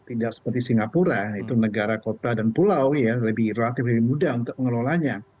tidak seperti singapura itu negara kota dan pulau ya lebih relatif lebih mudah untuk mengelolanya